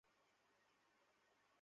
এটা একটা উচ্চ পদস্থ মামলা ছিল।